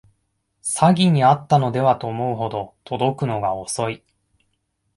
詐欺にあったのではと思うほど届くのが遅い